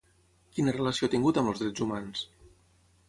Quina relació ha tingut amb els Drets Humans?